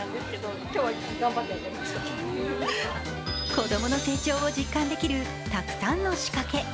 子供の成長を実感できる、たくさんの仕掛け。